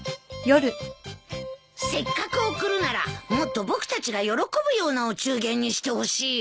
せっかく贈るならもっと僕たちが喜ぶようなお中元にしてほしいよ。